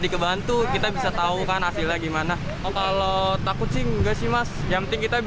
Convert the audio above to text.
ketua relawan indonesia bersatu lawan covid sembilan belas